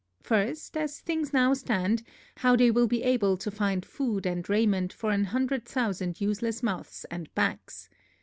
First, As things now stand, how they will be able to find food and raiment for a hundred thousand useless mouths and backs.